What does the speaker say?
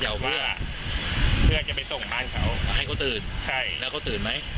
เพื่อเพื่อจะไปส่งบ้านเขาให้เขาตื่นใช่แล้วเขาตื่นไหม